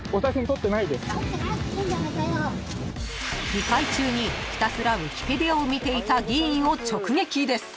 ［議会中にひたすらＷｉｋｉｐｅｄｉａを見ていた議員を直撃です］